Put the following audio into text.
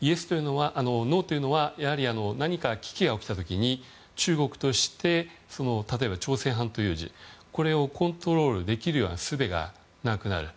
ノーというのは何か危機が起きた時に中国として例えば朝鮮半島有事これをコントロールできる術がなくなる。